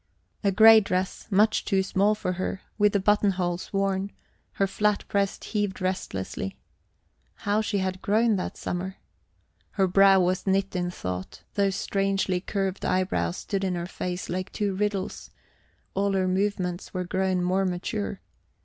A grey dress, much too small for her, with the buttonholes worn; her flat breast heaved restlessly. How she had grown that summer! Her brow was knit in thought; those strangely curved eyebrows stood in her face like two riddles; all her movements were grown more mature.